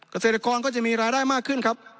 เกษตรกรก็จะมีรายได้มากขึ้นครับ